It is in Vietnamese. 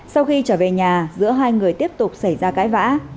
sau khi trở về nhà giữa hai người tiếp tục xảy ra cãi vã